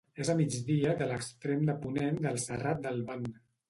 És a migdia de l'extrem de ponent del Serrat del Ban.